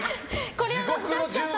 これは難しかった。